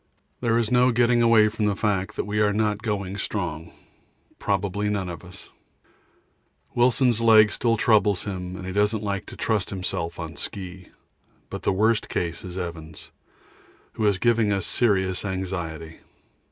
There is no getting away from the fact that we are not going strong. Probably none of us: Wilson's leg still troubles him and he doesn't like to trust himself on ski; but the worst case is Evans, who is giving us serious anxiety.